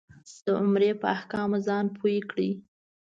د عمرې په احکامو ځان پوی کړې.